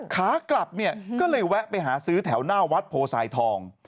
ขากลับเนี่ยก็เลยแวะไปหาซื้อแถวหน้าวัดโพสายทอง